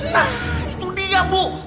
nah itu dia bu